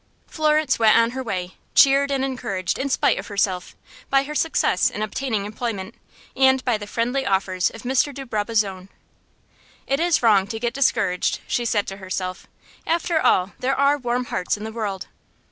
Florence went on her way, cheered and encouraged in spite of herself, by her success in obtaining employment, and by the friendly offers of Mr. de Brabazon. "It is wrong to get discouraged," she said to herself. "After all, there are warm hearts in the world."